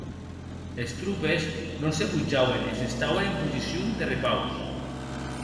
Es tropes non se botjauen e s’estauen en posicion de repaus.